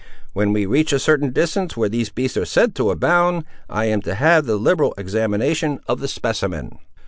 When we reach a certain distance where these beasts are said to abound, I am to have the liberal examination of the specimen."